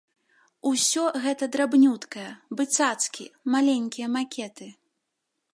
Усё гэта драбнюткае, бы цацкі, маленькія макеты.